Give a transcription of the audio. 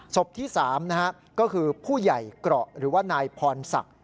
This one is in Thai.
ศพที่๓ก็คือผู้ใหญ่เกราะหรือว่านายพรศักดิ์